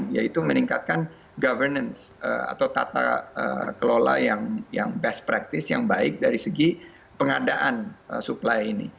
yaitu meningkatkan governance atau tata kelola yang best practice yang baik dari segi pengadaan supply ini